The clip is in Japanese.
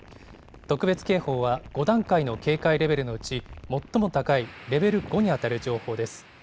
特別警報は５段階の警戒レベルのうち、最も高いレベル５に当たる情報です。